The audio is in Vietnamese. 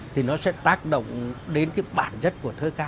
thì nó sẽ tác động đến cái bản chất của thơ ca